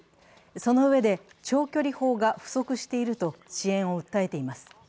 そのうえで、長距離砲が不足していると支援を訴えています。